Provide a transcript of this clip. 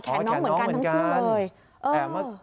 อ๋อแขนน้องเหมือนกันทั้งทุกคนเลยอ๋อแขนน้องเหมือนกัน